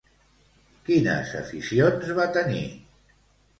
Quines aficions va tenir?